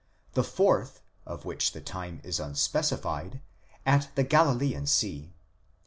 'the fourth, of which the time is unspecified, at the Galilean sea (xxi.).